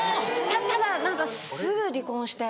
ただ何かすぐ離婚して。